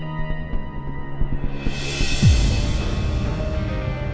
lo udah ngerti kan